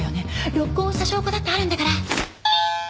録音した証拠だってあるんだから。